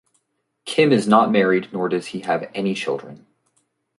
Kim is not married nor does he have any children.